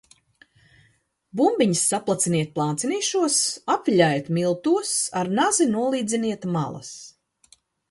Bumbiņas saplaciniet plācenīšos, apviļājiet miltos, ar nazi nolīdziniet malas.